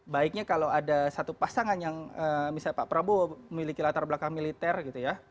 baiknya kalau ada satu pasangan yang misalnya pak prabowo memiliki latar belakang militer gitu ya